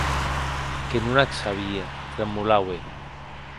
Que non ac sabie, tremolaue.